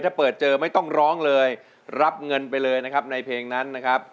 ถ้าเปิดเจอไม่ต้องร้องเลยรับเงินไปเลยนะครับในเพลงนั้นนะครับ